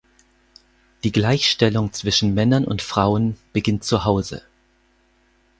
Die Gleichstellung zwischen Männern und Frauen beginnt zu Hause.